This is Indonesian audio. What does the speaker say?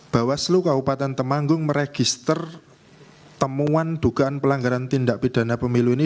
bawaslu kabupaten temanggung meregister temuan dugaan pelanggaran tindak pidana pemilu ini